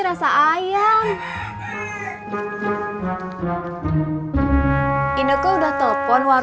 kau lelaki kepulih tooor